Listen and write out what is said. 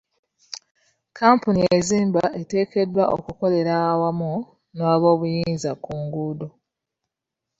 Kampuni ezimba eteekeddwa okukolera awamu n'abobuyinza ku nguudo.